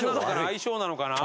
相性なのかな？